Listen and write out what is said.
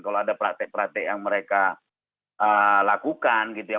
kalau ada praktek praktek yang mereka lakukan gitu ya